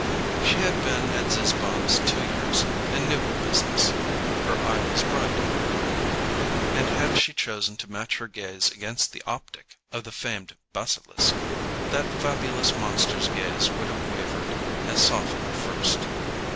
She had been at Zizzbaum's two years, and knew her business. Her eye was bright, but cool; and had she chosen to match her gaze against the optic of the famed basilisk, that fabulous monster's gaze would have wavered and softened first.